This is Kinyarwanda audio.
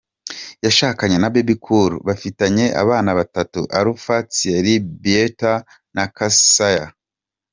Yashakanye na Bebe Cool, bafitanye abana batatu Alpha Thierry, Beata na Caysa.